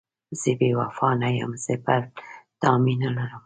زه بې وفا نه یم، زه پر تا مینه لرم.